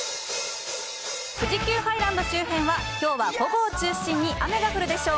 富士急ハイランド周辺は、きょうは午後を中心に、雨が降るでしょう。